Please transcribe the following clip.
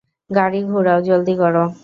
গাড়ী ঘুরাও, জলদি করো।